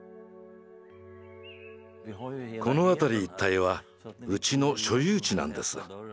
この辺り一帯はうちの所有地なんです。